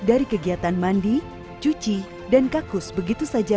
dari kegiatan mandi cuci dan kakus begitu saja